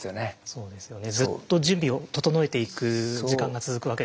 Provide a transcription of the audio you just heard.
そうですよね。